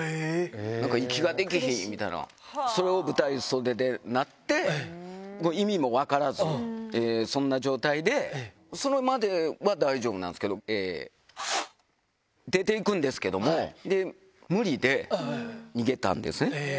なんか息ができひんみたいな、それを舞台袖でなって、意味も分からず、そんな状態で、それまでは大丈夫なんですけど、出ていくんですけど、無理で逃げたんですね。